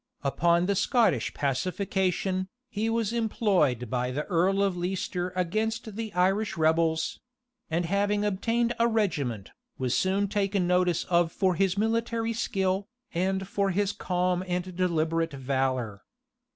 Upon the Scottish pacification, he was employed by the earl of Leicester against the Irish rebels; and having obtained a regiment, was soon taken notice of for his military skill, and for his calm and deliberate valor.